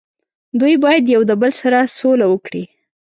دوي باید یو د بل سره سوله وکړي